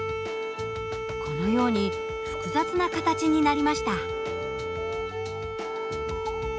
このように複雑な形になりました。